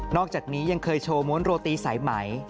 อกจากนี้ยังเคยโชว์ม้วนโรตีสายไหม